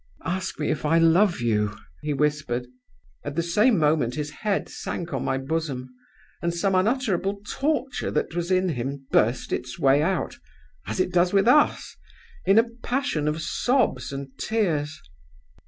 'Ask me if I love you,' he whispered. At the same moment his head sank on my bosom; and some unutterable torture that was in him burst its way out, as it does with us, in a passion of sobs and tears.